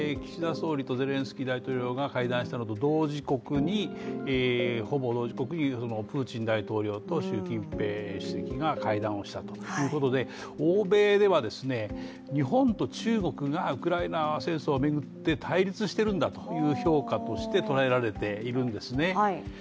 総理とゼレンスキー大統領が会談したのと同時刻にプーチン大統領と習近平主席が会談をしたということで、欧米では日本と中国がウクライナ戦争を巡って対立しているんだという評価として捉えられているんですね。